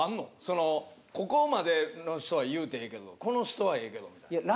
ここまでの人は言うてええけどこの人はええけどみたいな。